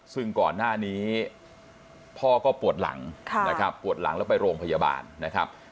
ซึ่งก่อนหน้านี้พ่อก็ปวดหลังนะครับปวดหลังแล้วไปโรงพยาบาลนะครับ